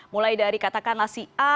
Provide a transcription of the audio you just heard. mulai dari katakanlah si a